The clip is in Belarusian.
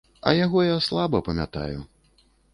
А яго я слаба памятаю.